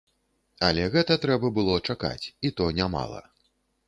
Але гэта трэба было чакаць, і то нямала.